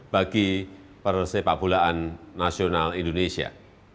bagi persepakbolaan nasional indonesia